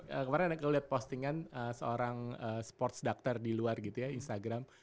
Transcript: kemarin ada kalau lihat postingan seorang sports doctor di luar gitu ya instagram